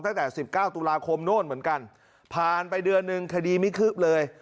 ตั้งแต่๑๙ตุลาคมโน่นเหมือนกันผ่านไปเดือนหนึ่งคดีไม่คืบเลย